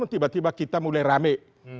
tiba tiba kita mulai rame